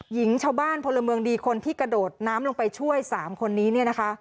หญิงชาวบ้านพลเมืองดีคนที่กระโดดน้ำลงไปช่วย๓คนนี้เนี่ยนะคะ